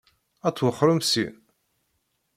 Ad twexxṛem syin?